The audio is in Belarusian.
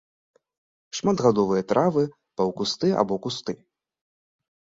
Шматгадовыя травы, паўкусты або кусты.